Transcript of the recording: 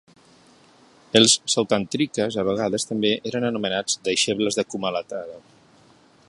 Els Sautantrikas a vegades també eren anomenats "deixebles de Kumaralata".